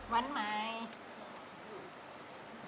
วันใหม่